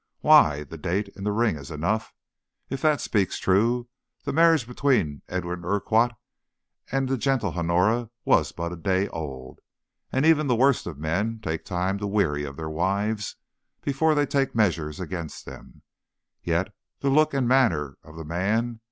Why, the date in the ring is enough. If that speaks true, the marriage between Edwin Urquhart and the gentle Honora was but a day old, and even the worst of men take time to weary of their wives before they take measures against them. Yet, the look and manner of the man!